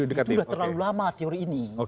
itu sudah terlalu lama teori ini